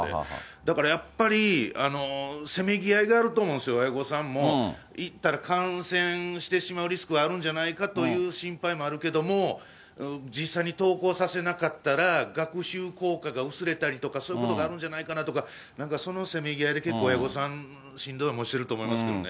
だからやっぱりせめぎ合いがあると思うんですよ、親御さんも行ったら感染してしまうリスクがあるんじゃないかという心配もあるけれども、実際に登校させなかったら学習効果が薄れたりとか、そういうことがあるんじゃないかなとか、なんかそのせめぎ合いで、結構親御さん、しんどい思いしてると思いますけどね。